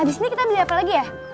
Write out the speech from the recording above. abis ini kita beli apa lagi ya